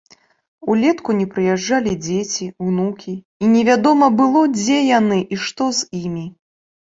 Улетку не прыязджалі дзеці, унукі, і невядома было, дзе яны і што з імі.